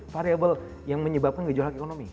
variable yang menyebabkan gejolak ekonomi